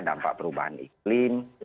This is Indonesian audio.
dampak perubahan iklim